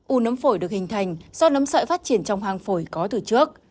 u nấm phổi được hình thành do nấm sợi phát triển trong hang phổi có từ trước